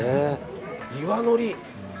岩のり！